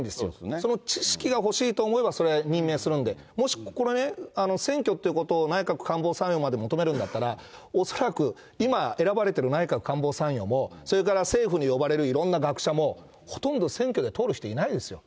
その知識が欲しいと思えば、それは任命するんで、もしこれね、選挙ということが、内閣官房参与まで求めるんだったら、恐らく今、選ばれてる内閣官房参与も、それから政府に呼ばれるいろんな学者も、ほとんど選挙で通る人いないですよ。